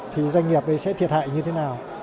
thì doanh nghiệp sẽ thiệt hại như thế nào